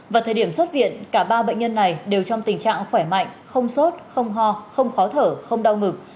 vào thời điểm xuất viện cả ba bệnh nhân này đều trong tình trạng khỏe mạnh không sốt không ho không khó thở không đau ngực